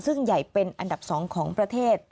ซึ่งใหญ่เป็นอันดับ๒ของประเทศ